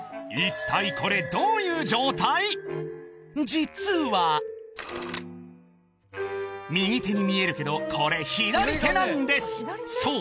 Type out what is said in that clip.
実は右手に見えるけどこれ左手なんですそう